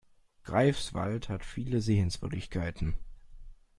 Greifswald hat viele Sehenswürdigkeiten